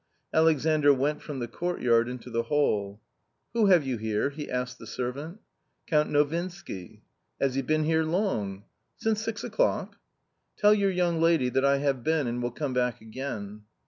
Alexandr went from the courtyard into the hall. " Who have you here ?" he asked the servant. " Count Novinsky." " Has he been here long ?"" Since six o'clock." " Tell your young lady that I have been and will come back again."